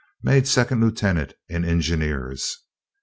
Made second lieutenant in engineers.